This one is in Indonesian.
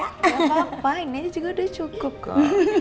gak apa apa ini juga udah cukup kok